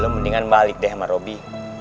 lo mendingan balik deh sama robi